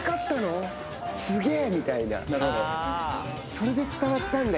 それで伝わったんだ？